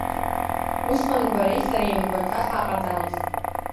Усҟан бареи сареи мгәаҭа ҳаҟаӡамызт.